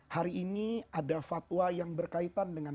hari ini ada fatwa yang berkaitan dengan